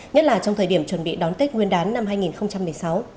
nhất là trong thời điểm chuẩn bị đón tết nguyên đán năm hai nghìn một mươi sáu